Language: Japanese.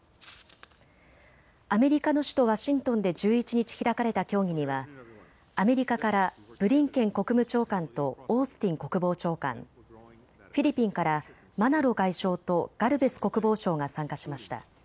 アメリカの首都ワシントンで１１日開かれた協議にはアメリカからブリンケン国務長官とオースティン国防長官、フィリピンからマナロ外相とガルベス国防相が参加しました。